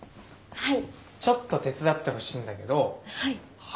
はい。